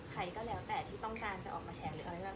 ใครก็แล้วแต่ที่ต้องการจะออกมาแฉหรืออะไรก็